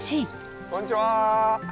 こんにちは。